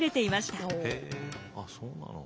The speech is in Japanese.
へえあっそうなの。